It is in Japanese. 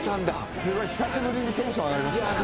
すごい久しぶりにテンション上がりましたね。